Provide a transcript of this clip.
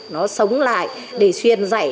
nó sống lại để xuyên dạy